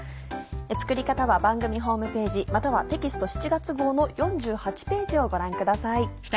作り方は番組ホームページまたはテキスト７月号の４８ページをご覧ください。